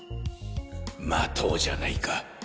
待とうじゃないか。